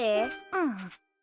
うん。